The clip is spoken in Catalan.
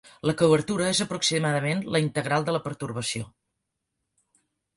La cobertura és aproximadament la integral de la pertorbació.